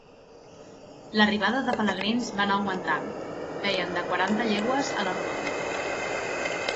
L'arribada de pelegrins va anar augmentant; veien de quaranta llegües a la rodona.